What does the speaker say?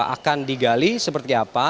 akan digali seperti apa